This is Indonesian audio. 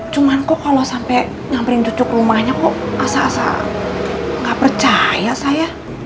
cuman kok kalo sampe nyamperin cucu ke rumahnya kok asa asa gak percaya saya